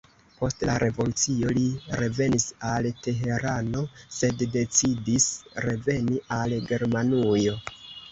Post la revolucio li revenis al Teherano sed decidis reveni al Germanujo.